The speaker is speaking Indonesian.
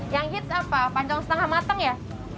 yang hits apa pandang setengah matang ya